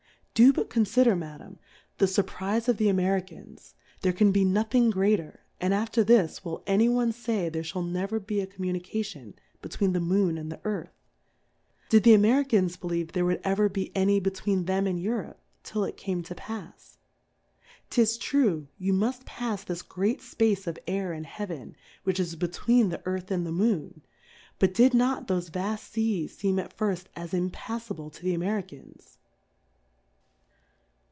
Do but confider. Madam, the furprize of the Jmtrica?/s^ there can be nothing greater ♦, and after this, will any one lay there fliall never be a Com munication between the Moon and the Earth. Did the Jmerka?is believe there would ever be any between them and Eurofe^ till it came to pafs ? 'Tis true, you muft pafs this great Space of Air and Heaven which is between the Earth and the Moon ; but did not thofe vaft Seas feem at firft as impaiTa ble to the J?nerka?/s?